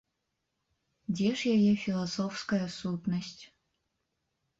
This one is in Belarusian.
Дзе ж яе філасофская сутнасць?